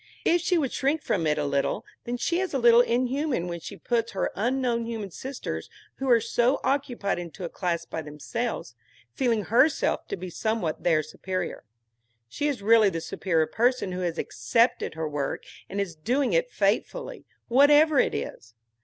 If she would shrink from it a little, then she is a little inhuman when she puts her unknown human sisters who are so occupied into a class by themselves, feeling herself to be somewhat their superior. She is really the superior person who has accepted her work and is doing it faithfully, whatever it is.